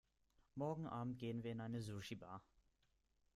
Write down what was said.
Morgen Abend gehen wir in eine Sushibar.